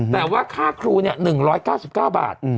แต่ว่าค่าครูเนี่ย๑๙๙บาท